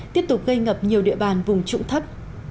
tiếp tục gây ngập nhiều địa bàn vùng trụng thấp